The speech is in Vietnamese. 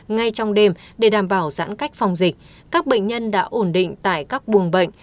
ngay trong đêm để đảm bảo giãn cách phòng dịch các bệnh nhân đã ổn định tại các buồng bệnh